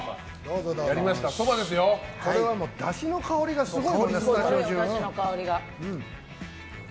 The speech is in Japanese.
これは、だしの香りがすごい。